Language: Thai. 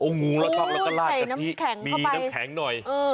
งูเราชอบแล้วก็ลาดกะทิมีน้ำแข็งหน่อย